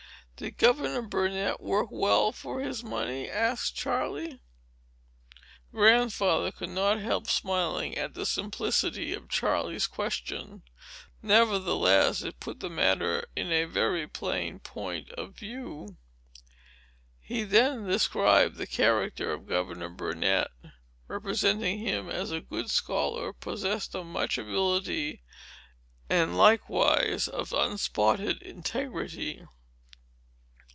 "Did Governor Burnet work well for his money?" asked Charley. Grandfather could not help smiling at the simplicity of Charley's question. Nevertheless, it put the matter in a very plain point of view. He then described the character of Governor Burnet, representing him as a good scholar, possessed of much ability, and likewise of unspotted integrity.